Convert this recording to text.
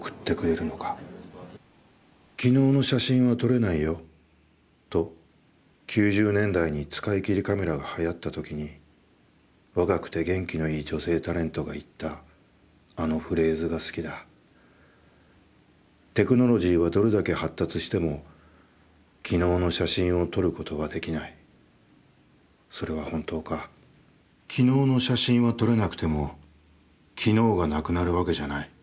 『昨日の写真は撮れないよ！』と、九十年代に使い切りカメラが流行ったときに若くて元気のいい女性タレントが言ったあのフレーズが好きだ、テクノロジーはどれだけ発達しても昨日の写真を撮ることはできない、それは本当か、昨日の写真は撮れなくても昨日がなくなるわけじゃない。